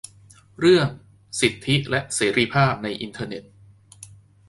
เรื่อง "สิทธิและเสรีภาพในอินเทอร์เน็ต"